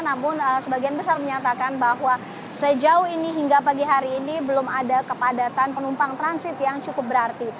namun sebagian besar menyatakan bahwa sejauh ini hingga pagi hari ini belum ada kepadatan penumpang transit yang cukup berarti